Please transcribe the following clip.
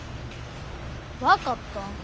分かった。